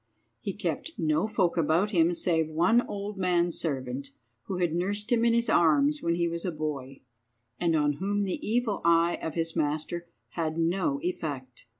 He kept no folk about him save one old manservant, who had nursed him in his arms when he was a boy, and on whom the evil eye of his master had no effect.